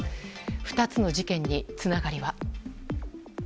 ２つの事件につながりは。